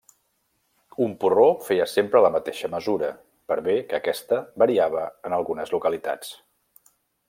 Un porró feia sempre la mateixa mesura, per bé que aquesta variava en algunes localitats.